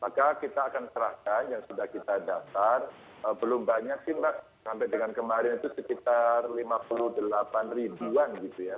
maka kita akan serahkan yang sudah kita daftar belum banyak sih mbak sampai dengan kemarin itu sekitar lima puluh delapan ribuan gitu ya